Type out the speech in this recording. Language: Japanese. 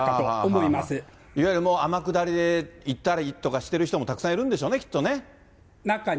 ーいわゆるあまくだりでいったりしたひともたくさんいるんでしょうね、きっとね。